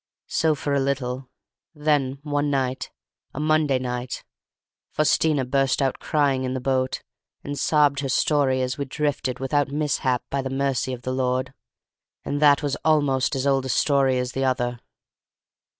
So for a little; then one night, a Monday night, Faustina burst out crying in the boat; and sobbed her story as we drifted without mishap by the mercy of the Lord. And that was almost as old a story as the other.